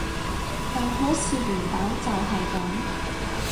但好似原版就係噉